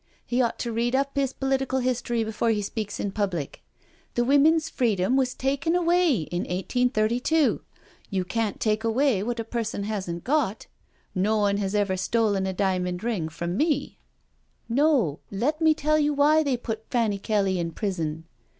He ought to read up his political history before he speaks in public. The women's freedom was taken away in 1832. You can't take away what a person hasn't got. No one has ever stolen a diamond ring 132 NO SURRENDER from met No, let me tell you why they put Fanny Kelly in prison.